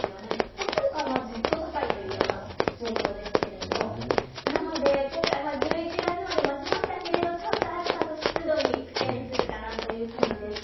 コスタリカはずっと高いという状況ですけれどなので今回１１月まで待ちましたけれど、ちょっと暑さと湿度に苦戦するかなという感じです。